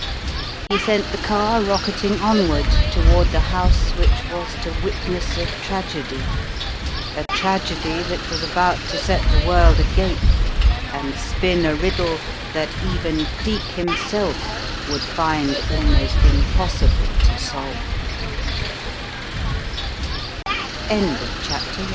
He sent the car rocketing onward toward the house which was to witness a tragedy, a tragedy that was about to set the world agape, and spin a riddle that even Cleek himself would find almost impossible